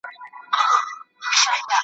زه او ته به هم په لاره کي یاران سو `